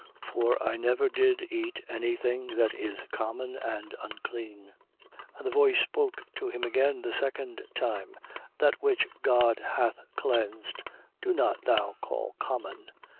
For I never did eat any thing that is common and unclean. 10:15. And the voice spoke to him again the second time: That which God hath cleansed, do not thou call common.